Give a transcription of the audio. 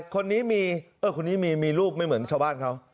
คนนี้มีคนนี้มีลูกไม่เหมือนชาวบ้านเขา